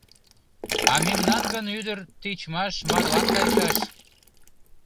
А мемнан гын ӱдыр тичмаш марлан кайышаш...